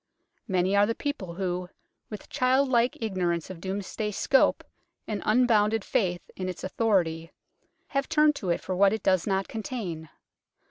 Many are the people who, with child like ignorance of Domesday's scope and unbounded faith in its authority, have turned to it for what it does not contain.